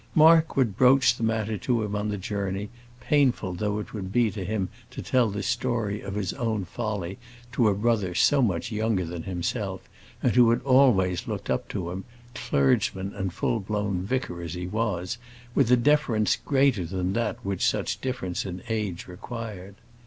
Mark would broach the matter to him on the journey, painful though it would be to him to tell the story of his own folly to a brother so much younger than himself, and who had always looked up to him, clergyman and full blown vicar as he was, with a deference greater than that which such difference in age required.